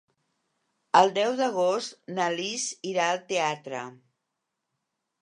El deu d'agost na Lis irà al teatre.